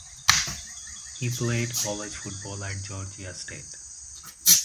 He played college football at Georgia State.